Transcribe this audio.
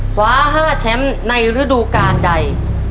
คว้า๕แชมป์ในฤดูการใด